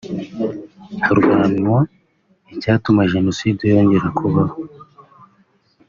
harwanywa icyatuma Jenoside yongera kubaho